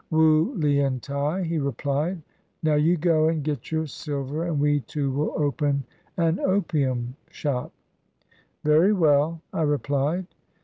" Wu Lien t'ai," he replied; "now you go and get your silver and we two will open an opium shop." "Very well," I replied.